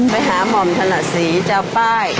ไปหาหม่อมถนัดสีจะเอาป้าย